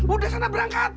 udah sana berangkat